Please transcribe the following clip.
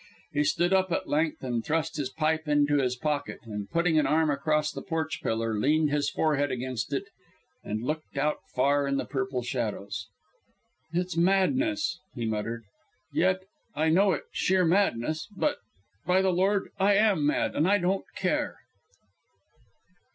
He stood up at length and thrust his pipe into his pocket, and putting an arm across the porch pillar, leaned his forehead against it and looked out far in the purple shadows. "It's madness," he muttered; "yet, I know it sheer madness; but, by the Lord! I am mad and I don't care."